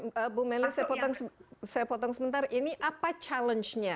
maaf bu meli saya potong sebentar ini apa tantangannya